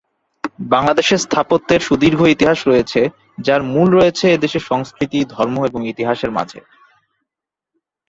বাংলাদেশের স্থাপত্যের সুদীর্ঘ ইতিহাস রয়েছে যার মূল রয়েছে এদেশের সংস্কৃতি, ধর্ম এবং ইতিহাসের মাঝে।